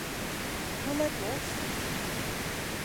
Hoe let wolst?